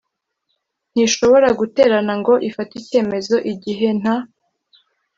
ntishobora guterana ngo ifate icyemezo igihe nta